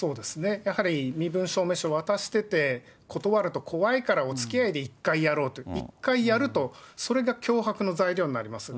やはり身分証明書を渡してて、断ると怖いから、おつきあいで１回やろうと、１回やると、それが脅迫の材料になりますね。